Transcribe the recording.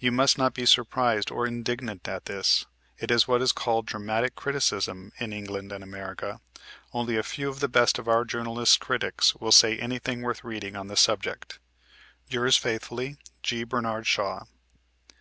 You must not be surprised or indignant at this: it is what is called "dramatic criticism" in England and America. Only a few of the best of our journalist critics will say anything worth reading on the subject. Yours faithfully, G. BERNARD SHAW.